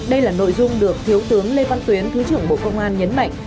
đây là nội dung được thiếu tướng lê văn tuyến thứ trưởng bộ công an nhấn mạnh